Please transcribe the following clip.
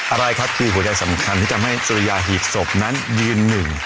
อะไรครับคือหัวใจสำคัญที่ทำให้สุริยาหีบศพนั้นยืนหนึ่ง